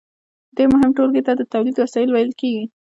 دې مهمې ټولګې ته د تولید وسایل ویل کیږي.